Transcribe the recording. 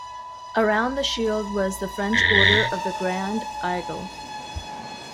Around the shield was the French Order of the Grand Aigle.